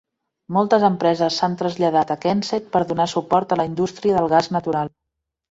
Moltes empreses s'han traslladat a Kensett per donar suport a la indústria del gas natural.